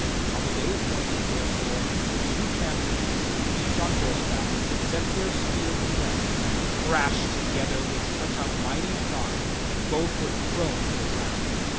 On the day appointed, therefore, the two champions, each on horseback, set their spears in rest and crashed together with feuch a mighty shock that both were thrown to the ground.